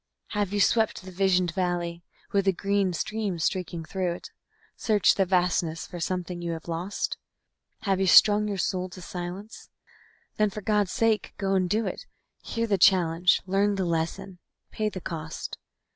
Have you swept the visioned valley with the green stream streaking through it, Searched the Vastness for a something you have lost? Have you strung your soul to silence? Then for God's sake go and do it; Hear the challenge, learn the lesson, pay the cost.